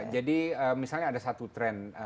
jadi misalnya ada satu tren